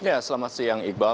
ya selamat siang iqbal